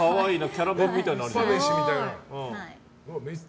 キャラ弁みたいなのも。